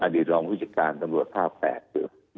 อดีตรองวิทยาการตำรวจภาค๘